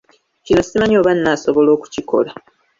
Kino simanyi oba naasobola okukikola!